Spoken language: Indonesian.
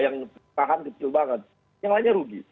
yang paham kecil banget yang lainnya rugi